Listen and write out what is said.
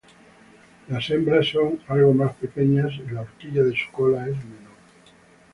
Las hembras son algo más pequeñas y la horquilla de su cola es menor.